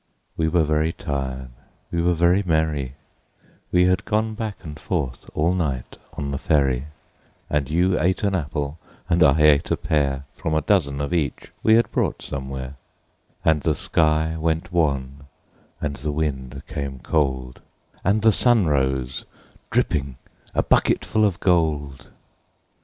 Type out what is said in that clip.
We were very tired, we were very merry We had gone back and forth all night on the ferry, And you ate an apple, and I ate a pear, From a dozen of each we had bought somewhere; And the sky went wan, and the wind came cold, And the sun rose dripping, a bucketful of gold.